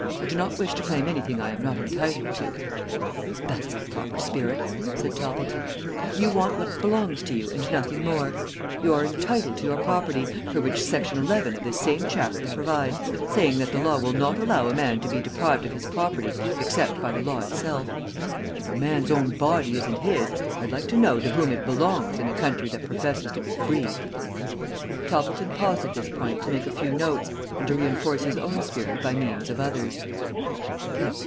"I do not wish to claim anything I am not entitled to." "That's the proper spirit," said Toppleton. "You want what belongs to you and nothing more. You are entitled to your property, for which section eleven of this same chapter provides, saying that the law will not allow a man to be deprived of his property except by the law itself. If a man's own body isn't his, I'd like to know to whom it belongs in a country that professes to be free!" Toppleton paused at this point to make a few notes and to reinforce his own spirit by means of others.